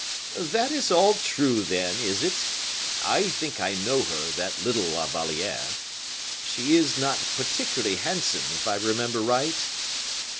"That is all true, then, is it? I think I know her, that little La Valliere. She is not particularly handsome, if I remember right?"